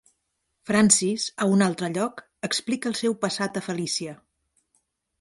Francis, a un altre lloc, explica el seu passat a Felicia.